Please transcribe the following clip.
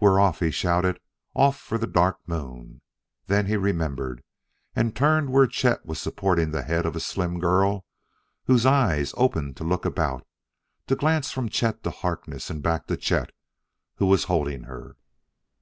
"We're off!" he shouted. "Off for the Dark Moon!" Then he remembered, and turned where Chet was supporting the head of a slim girl whose eyes opened to look about, to glance from Chet to Harkness and back to Chet who was holding her.